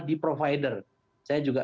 di provider saya juga